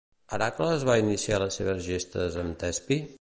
Hèracles va iniciar les seves gestes amb Tespi?